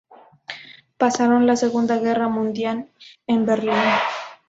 Pasaron la Segunda Guerra Mundial en Berlín.